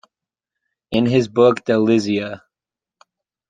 In his book Delizia!